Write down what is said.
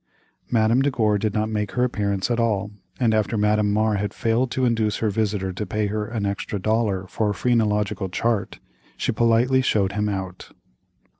Madame de Gore did not make her appearance at all, and after Madame Mar had failed to induce her visitor to pay her an extra dollar for a phrenological chart, she politely showed him out.